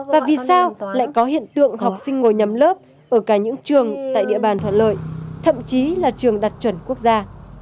và vì sao lại có hiện tượng học sinh ngồi nhấm lớp ở cả những trường tại địa bàn thuận lợi thậm chí là trường đặt chuẩn quốc gia